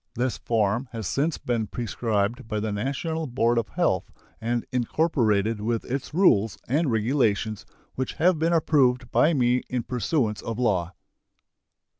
This form has since been prescribed by the National Board of Health and incorporated with its rules and regulations, which have been approved by me in pursuance of law.